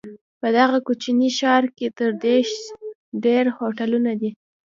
په دغه کوچني ښار کې تر دېرش ډېر هوټلونه دي.